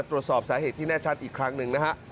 ตรวจสอบสาเหตุที่แน่ชัดอีกครั้งหนึ่งนะฮะ